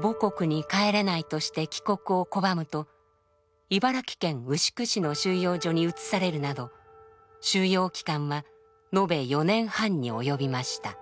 母国に帰れないとして帰国を拒むと茨城県牛久市の収容所に移されるなど収容期間は延べ４年半に及びました。